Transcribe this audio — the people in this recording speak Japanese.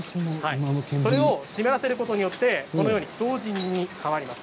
それを湿らせることによって強じんに変わります。